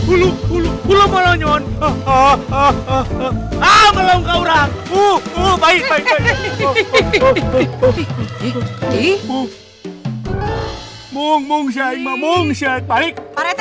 ulu ulu ulu balonyon ah ah ah ah ah melongkak orang uh uh baik baik